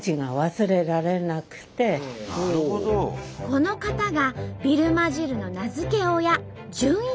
この方がビルマ汁の名付け親